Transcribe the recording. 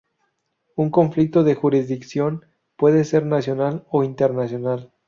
Un conflicto de jurisdicción puede ser nacional o internacional.